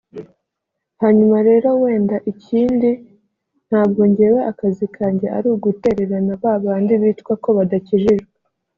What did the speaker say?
Hanyuma rero wenda ikindi ntabwo njyewe akazi kanjye ari ugutererana ba bandi bitwa ko badakijijwe